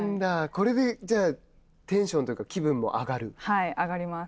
これで、じゃあテンションというか、気分も上がはい、上がります。